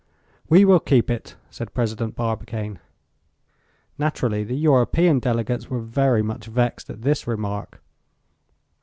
"We will keep it," said President Barbicane. Naturally, the European delegates were very much vexed at this remark.